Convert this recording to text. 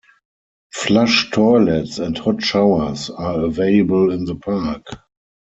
Flush toilets and hot showers are available in the park.